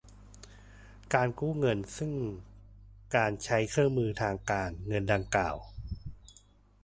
การกู้เงินซึ่งการใช้เครื่องมือทางการเงินดังกล่าว